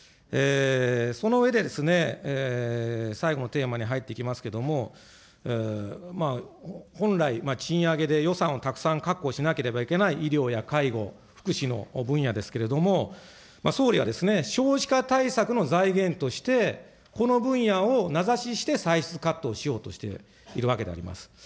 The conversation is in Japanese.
その上で、最後のテーマに入っていきますけれども、本来、賃上げで予算をたくさん確保しなければいけない医療や介護、福祉の分野ですけれども、総理は少子化対策の財源として、この分野を名指しして歳出カットをしようとしているわけであります。